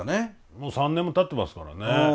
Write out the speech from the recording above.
もう３年もたってますからね。